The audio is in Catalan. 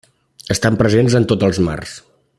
Estan presents en tots els mars.